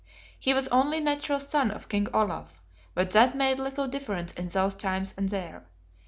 He was only natural son of King Olaf but that made little difference in those times and there.